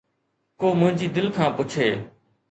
ڪو منهنجي دل کان پڇي